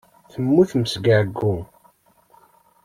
Temmutem seg ɛeyyu.